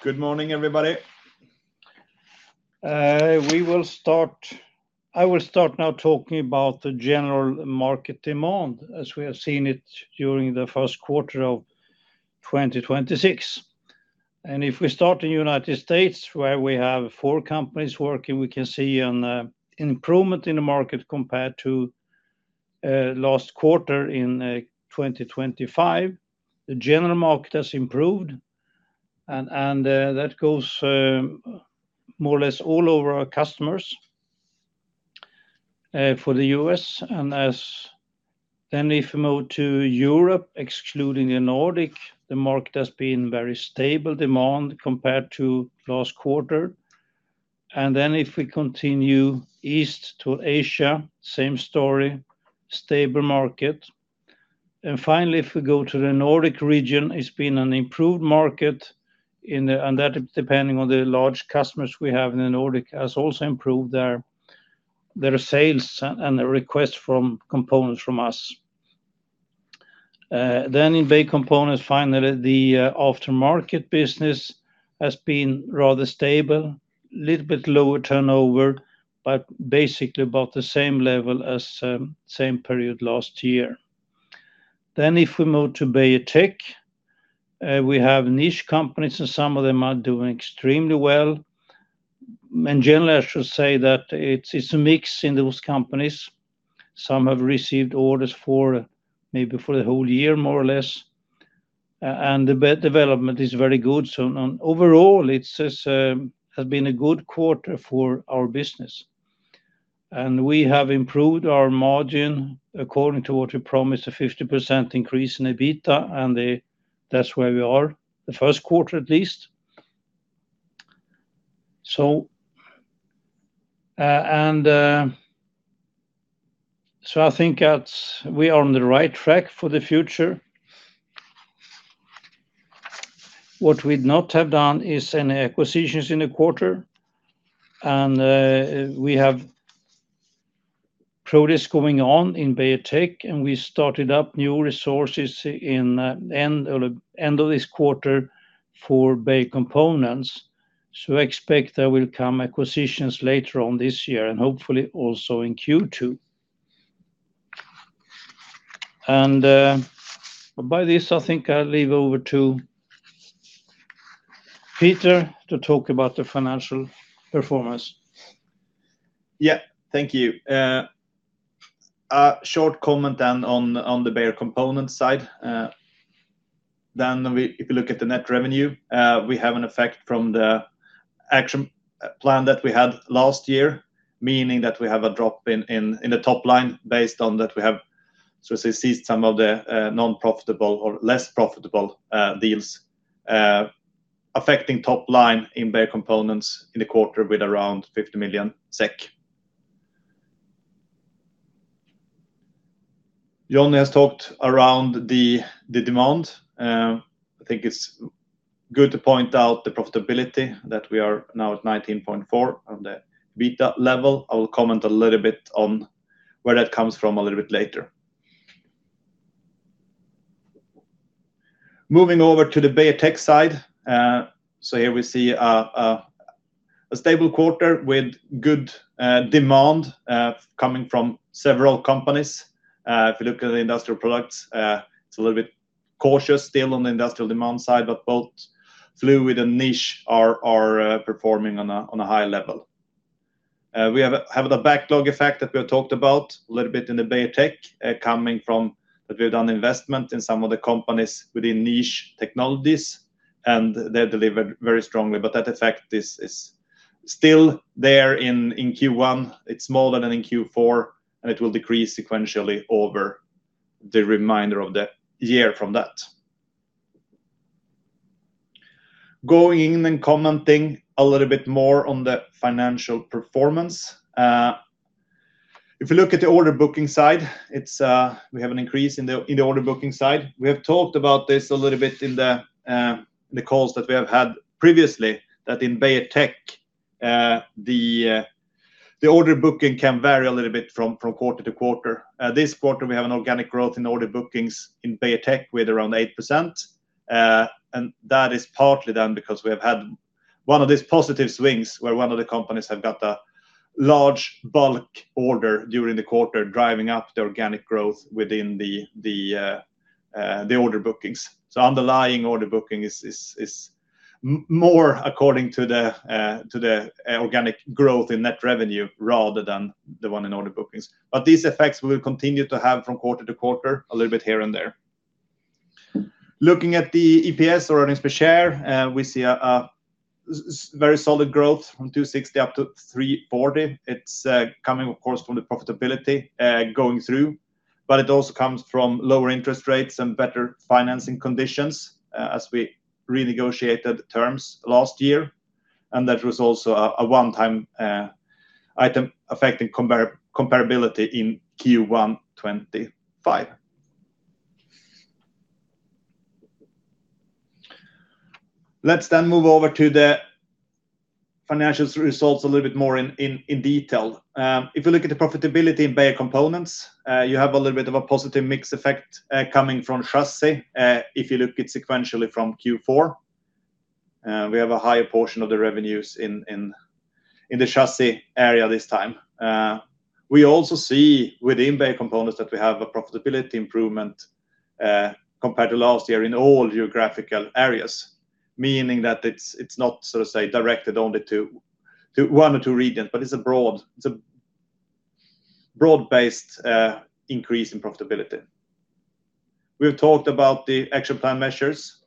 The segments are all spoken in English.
Good morning, everybody. I will start now talking about the general market demand as we have seen it during the first quarter of 2026. If we start in United States, where we have four companies working, we can see an improvement in the market compared to last quarter in 2025. The general market has improved, and that goes more or less all over our customers for the U.S. If you move to Europe, excluding the Nordic, the market has been very stable demand compared to last quarter. If we continue east to Asia, same story, stable market. Finally, if we go to the Nordic region, it's been an improved market, and that, depending on the large customers we have in the Nordic, has also improved their sales and the request for components from us. In Beijer Components, finally, the aftermarket business has been rather stable. Little bit lower turnover, but basically about the same level as same period last year. If we move to Beijer Tech, we have niche companies, and some of them are doing extremely well. Generally, I should say that it's a mix in those companies. Some have received orders, maybe for the whole year, more or less. The development is very good. Overall, it has been a good quarter for our business. We have improved our margin according to what we promised, a 50% increase in EBITDA, and that's where we are, the first quarter at least. I think that we are on the right track for the future. What we've not have done is any acquisitions in the quarter. We have progress going on in Beijer Tech, and we started up new resources at the end of this quarter for Beijer Components. Expect there will come acquisitions later on this year and hopefully also in Q2. With that, I think I'll hand over to Peter to talk about the financial performance. Yeah. Thank you. A short comment on the Beijer Components side. If you look at the net revenue, we have an effect from the action plan that we had last year, meaning that we have a drop in the top line based on that we have ceased some of the non-profitable or less profitable deals, affecting top line in Beijer Components in the quarter with around 50 million SEK. Johnny has talked about the demand. I think it's good to point out the profitability that we are now at 19.4% on the EBITDA level. I will comment a little bit on where that comes from a little bit later. Moving over to the Beijer Tech side. Here we see a stable quarter with good demand coming from several companies. If you look at the Industrial Products, it's a little bit cautious still on the industrial demand side, but both Fluid and Niche are performing on a high level. We have the backlog effect that we have talked about a little bit in the Beijer Tech, coming from that we've done investment in some of the companies within Niche Technologies, and they delivered very strongly. That effect is still there in Q1. It's smaller than in Q4, and it will decrease sequentially over the remainder of the year from that. Going in and commenting a little bit more on the financial performance. If you look at the order booking side, we have an increase in the order booking side. We have talked about this a little bit in the calls that we have had previously, that in Beijer Tech, the order booking can vary a little bit from quarter to quarter. This quarter, we have an organic growth in order bookings in Beijer Tech with around 8%, and that is partly then because we have had one of these positive swings where one of the companies have got a large bulk order during the quarter driving up the organic growth within the order bookings. Underlying order booking is more according to the organic growth in net revenue rather than the one in order bookings. These effects we will continue to have from quarter to quarter a little bit here and there. Looking at the EPS or earnings per share, we see a very solid growth from 2.60 up to 3.40. It's coming, of course, from the profitability going through, but it also comes from lower interest rates and better financing conditions as we renegotiated terms last year, and that was also a one-time item affecting comparability in Q1 2025. Let's move over to the financial results a little bit more in detail. If you look at the profitability in Beijer Components, you have a little bit of a positive mix effect coming from Chassis. If you look sequentially from Q4, we have a higher portion of the revenues in the Chassis area this time. We also see within Beijer Components that we have a profitability improvement compared to last year in all geographical areas, meaning that it's not sort of say directed only to one or two regions, but it's a broad-based increase in profitability. We have talked about the action plan measures.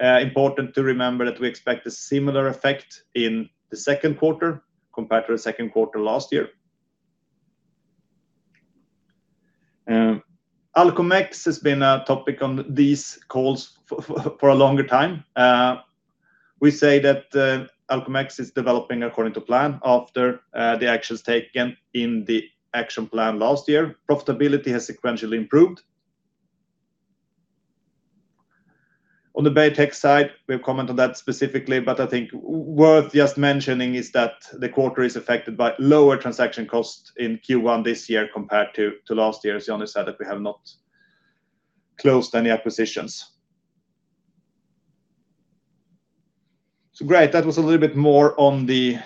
Important to remember that we expect a similar effect in the second quarter compared to the second quarter last year. Alcomex has been a topic on these calls for a longer time. We say that Alcomex is developing according to plan after the actions taken in the action plan last year. Profitability has sequentially improved. On the Beijer Tech side, we have commented that specifically, but I think worth just mentioning is that the quarter is affected by lower transaction costs in Q1 this year compared to last year. As Johnny said, that we have not closed any acquisitions. Great. That was a little bit more on the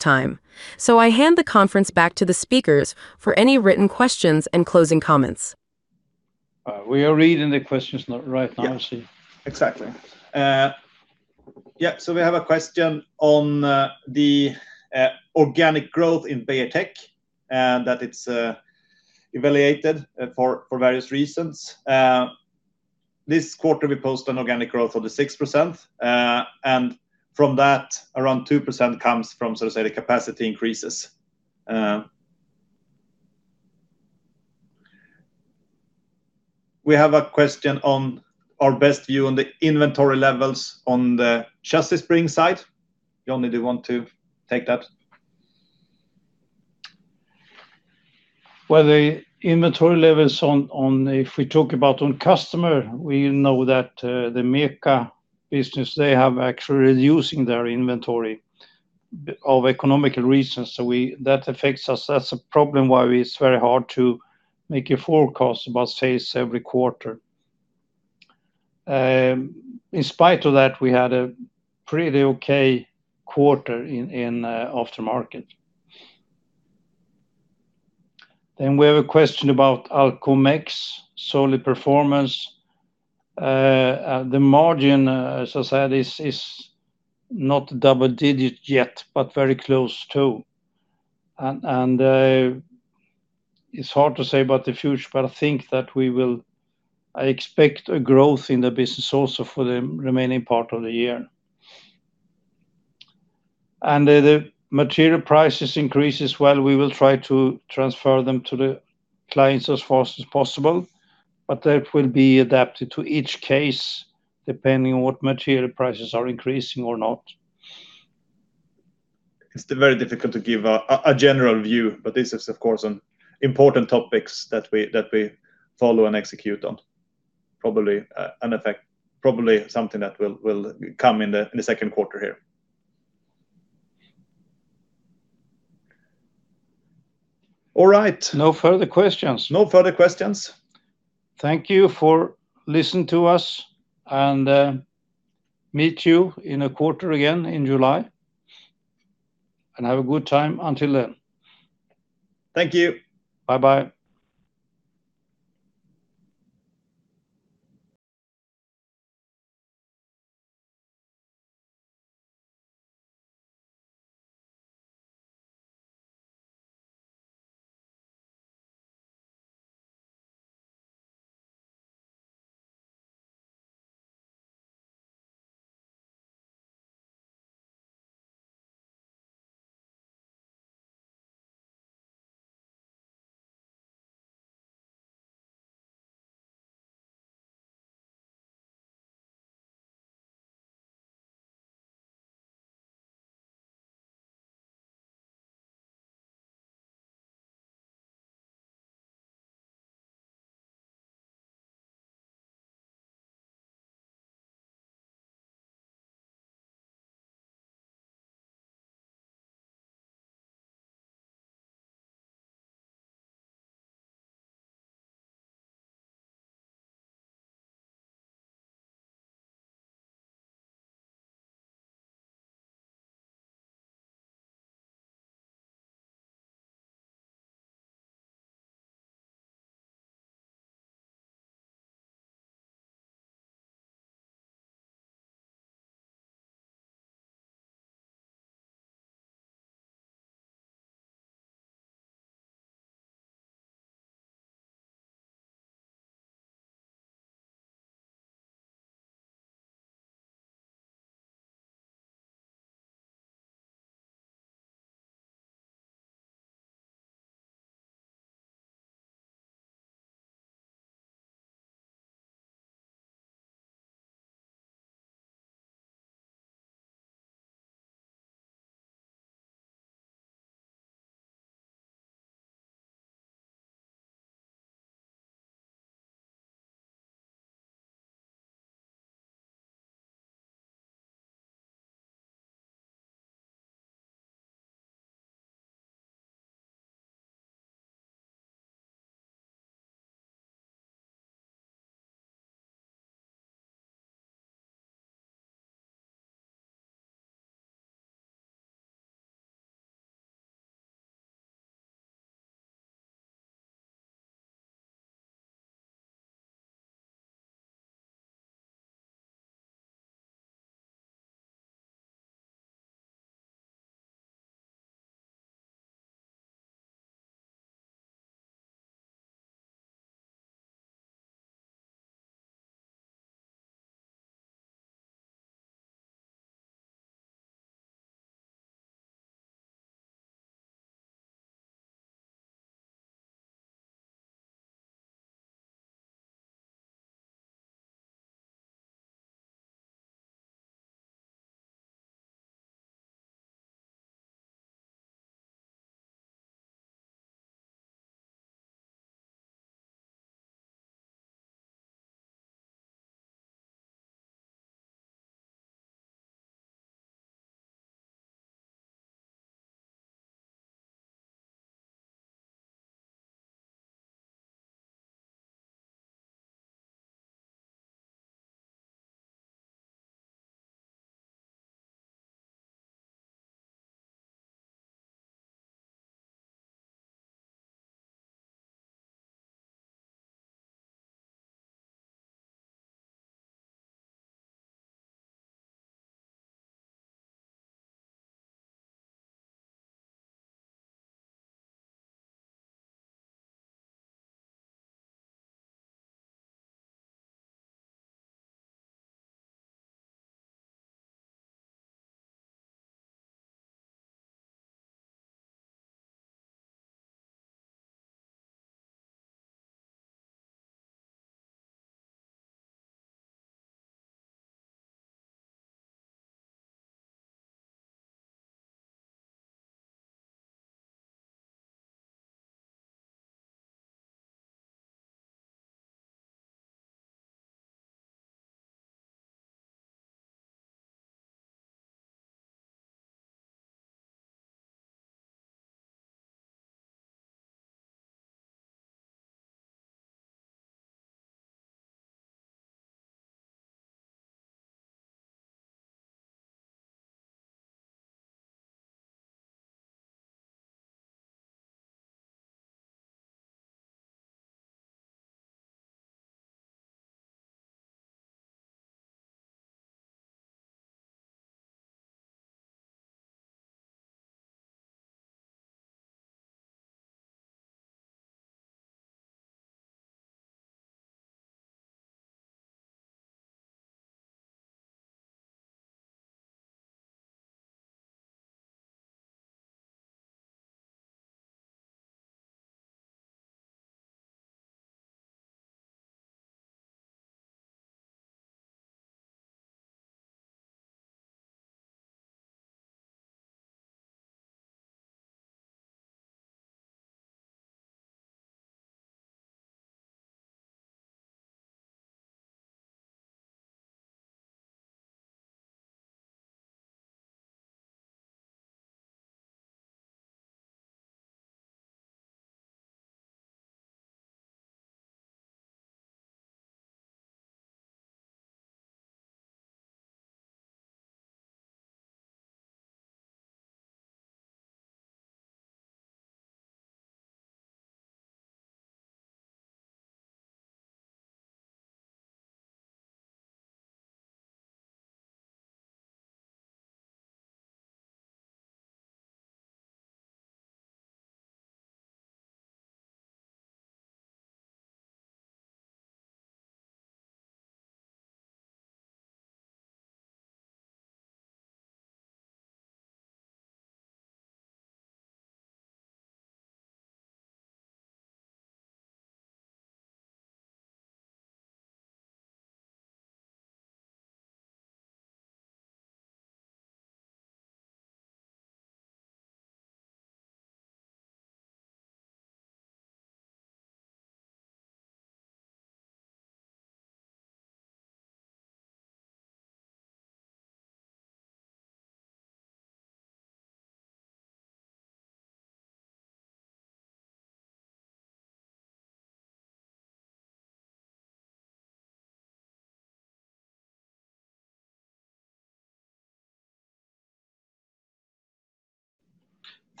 in-depth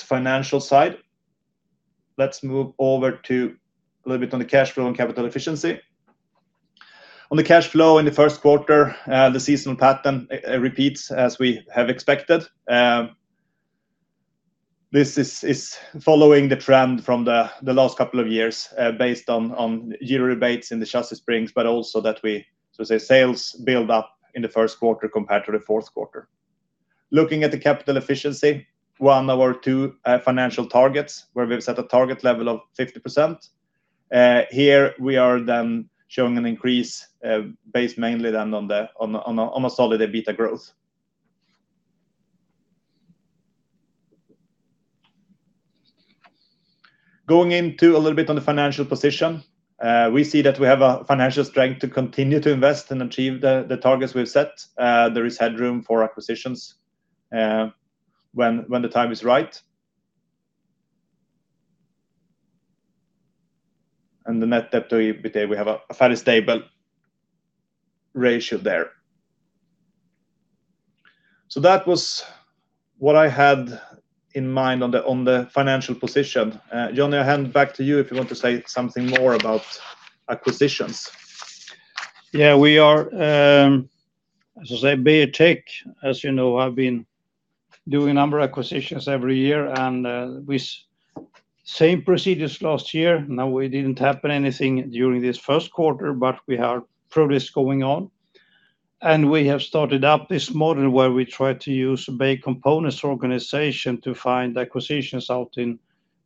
financial side. Let's move over to a little bit on the cash flow and capital efficiency. On the cash flow in the first quarter, the seasonal pattern repeats as we have expected. This is following the trend from the last couple of years, based on year rebates in the Chassis Springs, but also that we sort of say sales build up in the first quarter compared to the fourth quarter. Looking at the capital efficiency, one of our two financial targets where we've set a target level of 50%. Here we are then showing an increase, based mainly then on a solid EBITDA growth. Going into a little bit on the financial position. We see that we have a financial strength to continue to invest and achieve the targets we've set. There is headroom for acquisitions when the time is right. The Net debt to EBITDA, we have a fairly stable ratio there. That was what I had in mind on the financial position. Johnny, I hand back to you if you want to say something more about acquisitions. Yeah, we are, as I say, Beijer Tech, as you know, have been doing a number of acquisitions every year, and with same procedures last year. Now, we didn't have anything during this first quarter, but we have progress going on, and we have started up this model where we try to use Beijer Components organization to find acquisitions out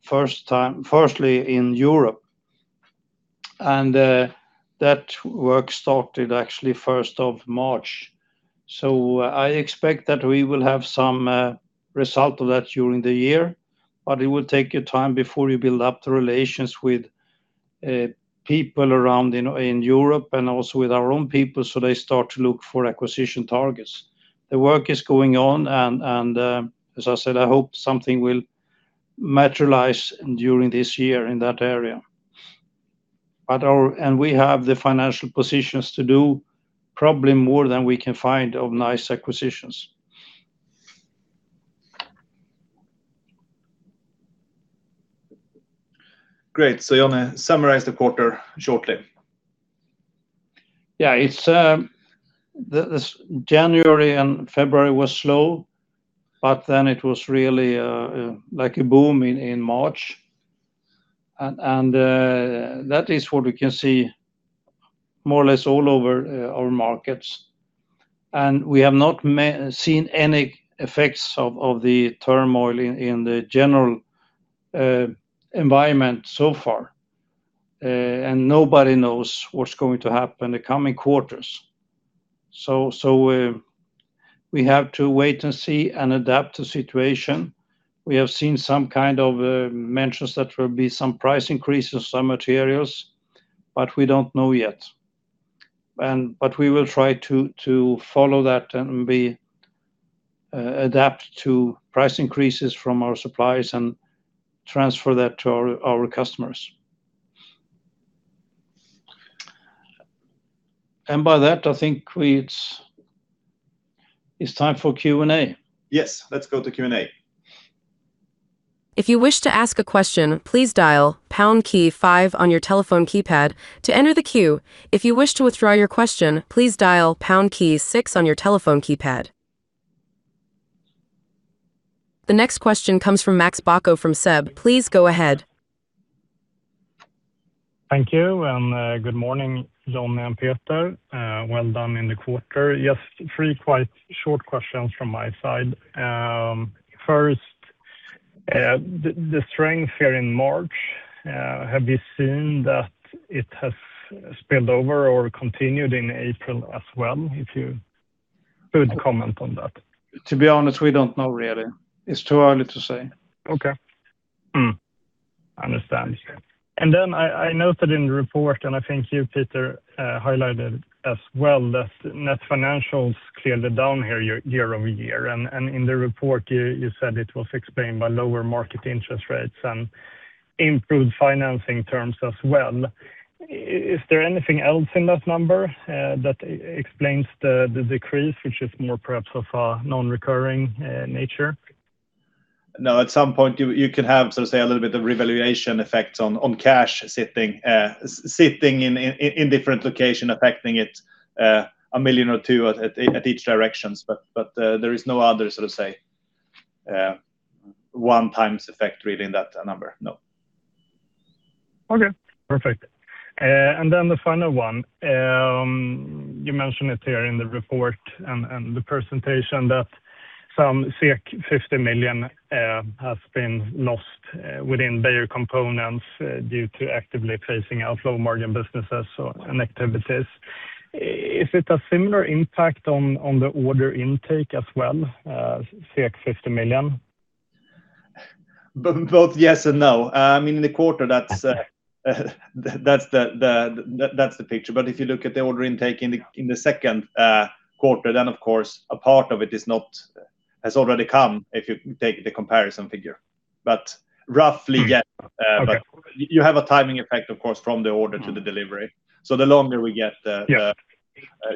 firstly in Europe. That work started actually 1st of March. I expect that we will have some result of that during the year. It will take a time before you build up the relations with people around in Europe and also with our own people, so they start to look for acquisition targets. The work is going on, and as I said, I hope something will materialize during this year in that area. We have the financial positions to do probably more than we can find of nice acquisitions. Great. Johnny, summarize the quarter shortly. Yeah. January and February was slow, but then it was really like a boom in March. That is what we can see more or less all over our markets. We have not seen any effects of the turmoil in the general environment so far. Nobody knows what's going to happen the coming quarters. We have to wait and see and adapt to situation. We have seen some kind of mentions that there will be some price increases, some materials, but we don't know yet. We will try to follow that and adapt to price increases from our suppliers and transfer that to our customers. By that, I think it's time for Q&A. Yes. Let's go to Q&A. If you wish to ask a question, please dial pound key five on your telephone keypad to enter the queue. If you wish to withdraw your question, please dial pound key six on your telephone keypad. The next question comes from Max Bacco from SEB. Please go ahead. Thank you, and good morning, Johnny and Peter. Well done in the quarter. Just three quite short questions from my side. First, the strength here in March, have you seen that it has spilled over or continued in April as well? If you could comment on that. To be honest, we don't know really. It's too early to say. Okay. I understand. Then I noted in the report, and I think you, Peter, highlighted as well, that net financials clearly down here year-over-year. In the report, you said it was explained by lower market interest rates and improved financing terms as well. Is there anything else in that number that explains the decrease, which is more perhaps of a non-recurring nature? No. At some point, you could have, sort of say, a little bit of revaluation effects on cash sitting in different locations, affecting it 1 million or 2 million in each directions. There is no other, sort of say, one-time effect reading that number. No. Okay. Perfect. The final one. You mentioned it here in the report and the presentation that some 50 million has been lost within Beijer Components due to actively phasing out low-margin businesses and activities. Is it a similar impact on the order intake as well, 50 million? Both yes and no. In the quarter, that's the picture. If you look at the order intake in the second quarter, then, of course, a part of it has already come if you take the comparison figure. Roughly, yeah. Okay. You have a timing effect, of course, from the order to the delivery. The longer we get- Yes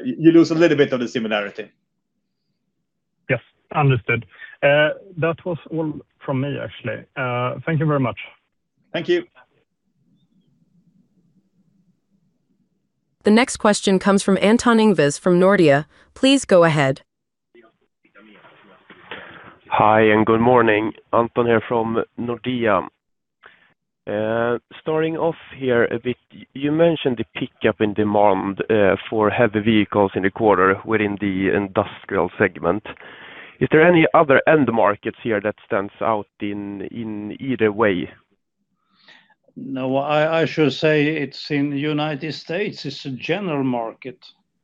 You lose a little bit of the similarity. Yes. Understood. That was all from me, actually. Thank you very much. Thank you. The next question comes from Anton Ingves from Nordea. Please go ahead. Hi, good morning. Anton here from Nordea. Starting off here a bit, you mentioned the pickup in demand for heavy vehicles in the quarter within the industrial segment. Is there any other end markets here that stands out in either way? No. I should say it's in the United States. The general market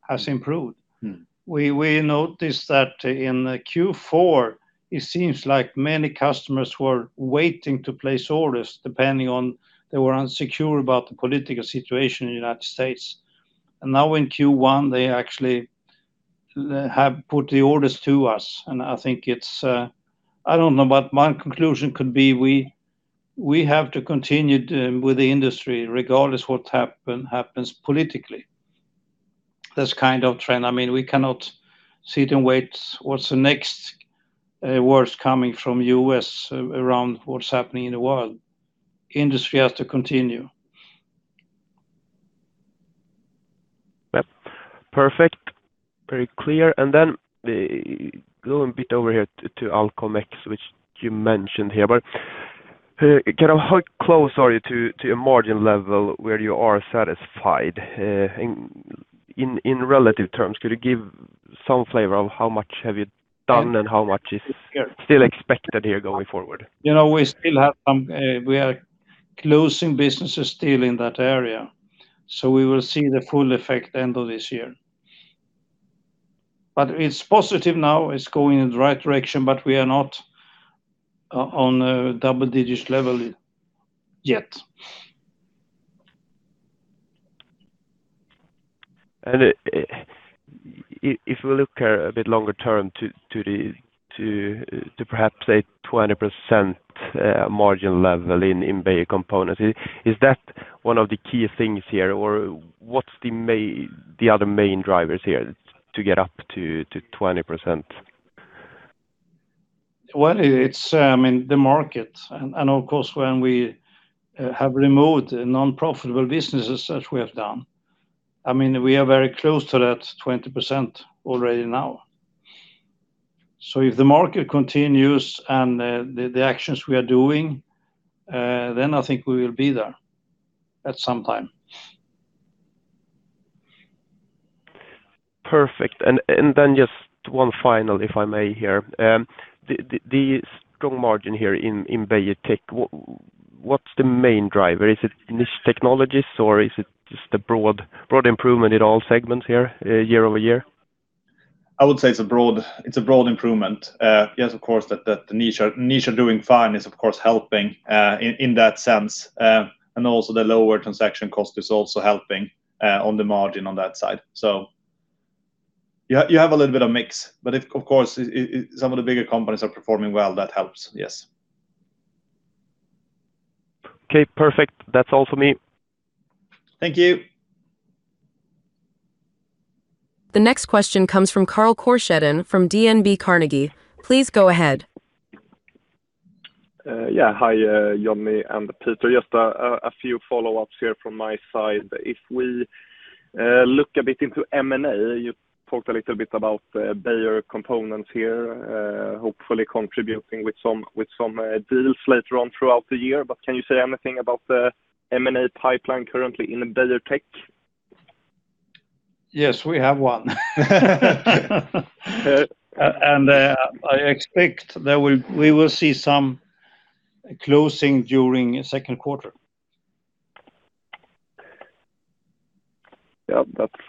has improved. Mm-hmm. We noticed that in Q4, it seems like many customers were waiting to place orders depending on they were insecure about the political situation in the United States. Now in Q1, they actually have put the orders to us, and I think it's. I don't know, but my conclusion could be we have to continue with the industry regardless what happens politically. That's kind of trend. We cannot sit and wait what's the next words coming from U.S. around what's happening in the world. Industry has to continue. Yep. Perfect. Very clear. Going a bit over here to Alcomex, which you mentioned here, but how close are you to a margin level where you are satisfied, in relative terms? Could you give some flavor of how much have you done and how much is still expected here going forward? We are closing businesses still in that area, so we will see the full effect end of this year. It's positive now, it's going in the right direction, but we are not on a double-digit level yet. If we look a bit longer term to perhaps, say, 20% margin level in Beijer Components, is that one of the key things here, or what's the other main drivers here to get up to 20%? Well, it's the market. Of course, when we have removed non-profitable businesses as we have done, we are very close to that 20% already now. If the market continues and the actions we are doing, then I think we will be there at some time. Perfect. Just one final, if I may here. The strong margin here in Beijer Tech, what's the main driver? Is it Niche Technologies, or is it just a broad improvement in all segments here year-over-year? I would say it's a broad improvement. Yes, of course, the Niche are doing fine, is of course helping, in that sense. Also the lower transaction cost is also helping on the margin on that side. You have a little bit of mix. Of course, some of the bigger companies are performing well, that helps. Yes. Okay. Perfect. That's all for me. Thank you. The next question comes from Carl Korsheden from DNB Carnegie. Please go ahead. Yeah. Hi, Johnny and Peter. Just a few follow-ups here from my side. If we look a bit into M&A, you talked a little bit about Beijer Components here, hopefully contributing with some deals later on throughout the year. Can you say anything about the M&A pipeline currently in Beijer Tech? Yes, we have one. I expect that we will see some closing during second quarter Yeah, that's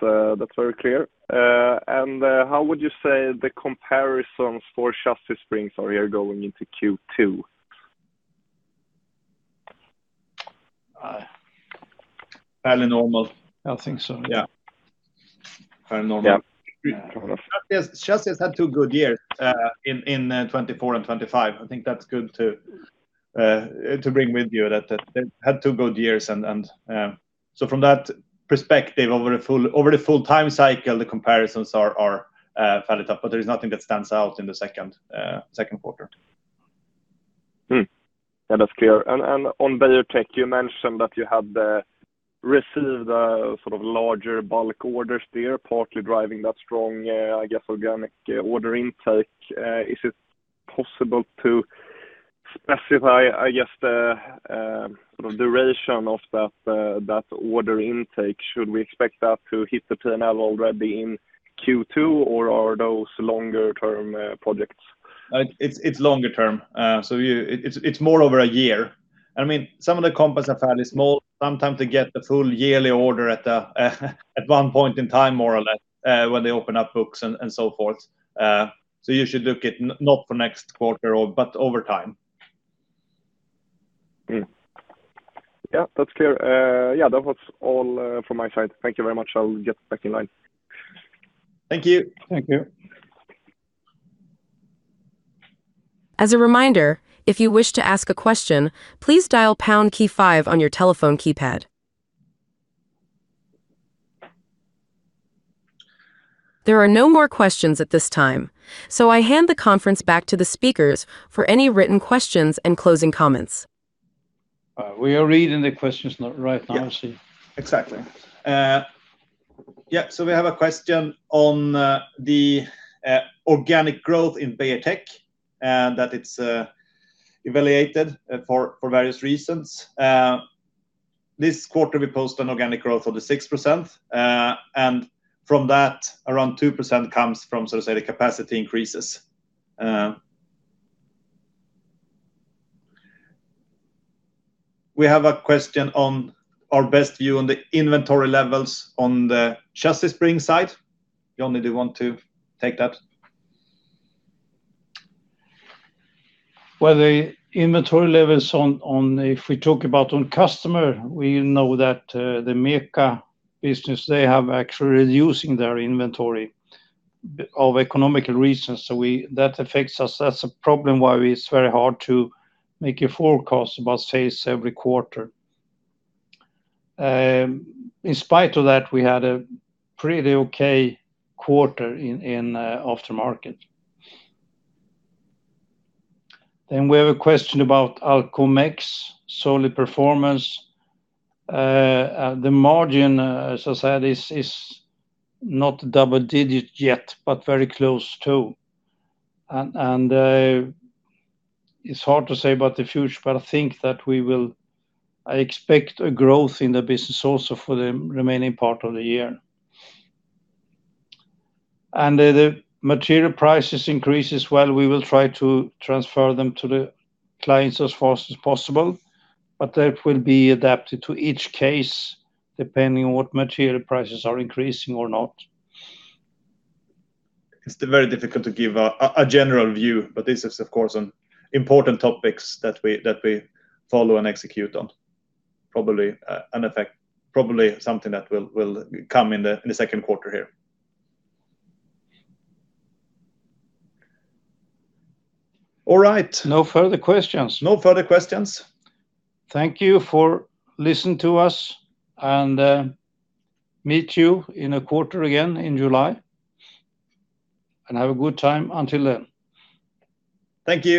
very clear. How would you say the comparisons for Clifford Springs are here going into Q2? Fairly normal. I think so. Yeah. Yeah. Lesjöfors had two good years in 2024 and 2025. I think that's good to bring with you that they had two good years. From that perspective, over the full time cycle, the comparisons are fairly tough, but there is nothing that stands out in the second quarter. Yeah, that's clear. On Beijer Tech, you mentioned that you had received larger bulk orders there, partly driving that strong, I guess, organic order intake. Is it possible to specify, I guess, the duration of that order intake? Should we expect that to hit the P&L already in Q2, or are those longer-term projects? It's longer term. It's more over a year. Some of the companies are fairly small. Sometimes they get the full yearly order at one point in time, more or less, when they open up books and so forth. You should look at, not for next quarter, but over time. Yeah, that's clear. Yeah, that was all from my side. Thank you very much. I'll get back in line. Thank you. Thank you. As a reminder, if you wish to ask a question, please dial pound key five on your telephone keypad. There are no more questions at this time. I hand the conference back to the speakers for any written questions and closing comments. We are reading the questions right now, I see. Yeah, exactly. Yeah, so we have a question on the organic growth in Beijer Tech, that it's evaluated for various reasons. This quarter, we post an organic growth of 6%, and from that, around 2% comes from capacity increases. We have a question on our best view on the inventory levels on the Justice brand side. Johnny, do you want to take that? Well, the inventory levels, if we talk about our customer, we know that the Meca business, they have actually reduced their inventory for economic reasons. That affects us. That's a problem why it's very hard to make a forecast about sales every quarter. In spite of that, we had a pretty okay quarter in aftermarket. We have a question about Alcomex, solid performance. The margin, as I said, is not double-digit yet, but very close, too. It's hard to say about the future, but I expect a growth in the business also for the remaining part of the year. The material price increases, well, we will try to transfer them to the clients as fast as possible, but that will be adapted to each case, depending on what material prices are increasing or not. It's very difficult to give a general view, but this is, of course, an important topic that we follow and execute on. Probably something that will come in the second quarter here. All right. No further questions. No further questions. Thank you for listening to us, and see you in a quarter again in July. Have a good time until then. Thank you. Bye-bye.